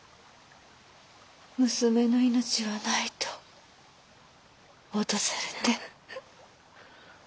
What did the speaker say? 「娘の命はない」と脅されて。